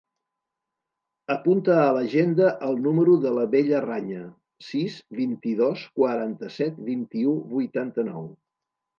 Apunta a l'agenda el número de la Bella Raña: sis, vint-i-dos, quaranta-set, vint-i-u, vuitanta-nou.